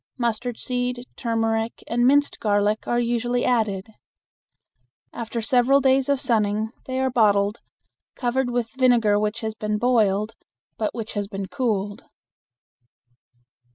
Mustard seed, turmeric, and minced garlic are usually added. After several days of sunning they are bottled, covered with vinegar which has been boiled, but which has been cooled.